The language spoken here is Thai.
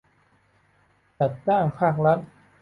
จัดจ้างภาครัฐ